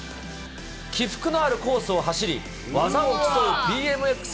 起伏のあるコースを走り、技を競うＢＭＸ